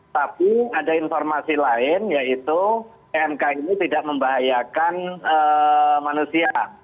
tapi ada informasi lain yaitu pmk ini tidak membahayakan manusia